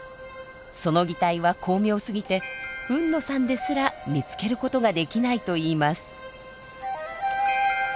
その擬態は巧妙すぎて海野さんですら見つけることができないといいます。